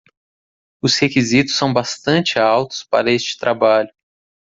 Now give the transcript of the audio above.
Os requisitos são bastante altos para este trabalho.